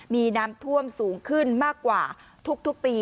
มีน้ำท่วมสูงขึ้นมากกว่าทุกปี